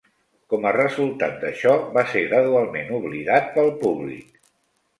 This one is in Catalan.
Com a resultat d'això, va ser gradualment oblidat pel públic.